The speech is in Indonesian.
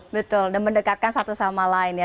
betul dan mendekatkan satu sama lain ya